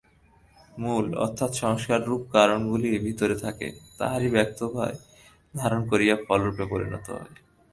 মূল অর্থাৎ সংস্কাররূপ কারণগুলি ভিতরে থাকে, তাহারাই ব্যক্তভাব ধারণ করিয়া ফলরূপে পরিণত হয়।